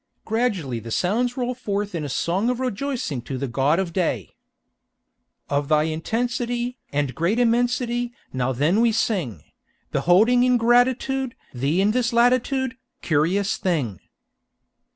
"Gradually the sounds roll forth in a song" of rejoicing to the God of Day: "Of thy intensity And great immensity Now then we sing; Beholding in gratitude Thee in this latitude, Curious thing."